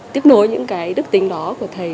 tiếp nối những cái đức tính đó của thầy